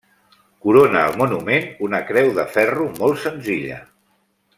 Corona el monument una creu de ferro molt senzilla.